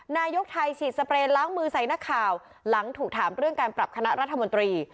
นายกไทยฉีดสเปรย์ล้างมือใส่นักข่าวหลังถูกถามเรื่องการปรับคณะรัฐมนตรี